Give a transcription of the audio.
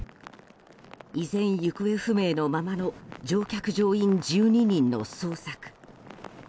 依然、行方不明のままの乗客・乗員１２人の捜索。